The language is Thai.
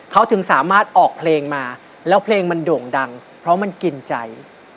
เขาถึงสามารถออกเพลงมาแล้วเพลงมันโด่งดังเพราะมันกินใจ